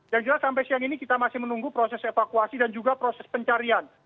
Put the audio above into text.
yang jelas sampai siang ini kita masih menunggu proses evakuasi dan juga proses pencarian